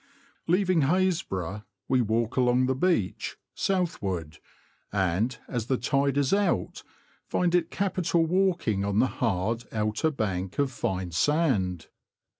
Leaving Hasbro', we walk along the beach, south ward, and, as the tide is out, find it capital walking on the hard, outer bank of fine sand.